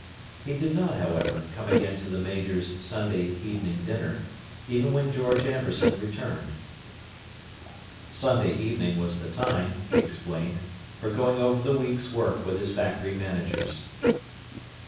He did not, however, come again to the Major's Sunday evening dinner, even when George Amberson returned. Sunday evening was the time, he explained, for going over the week's work with his factory managers.